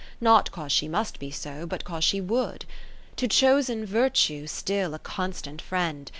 Not 'cause she must be so, but 'cause she wou'd. To chosen Virtue still a constant friend.